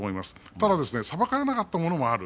ただ、裁かれなかったものもある。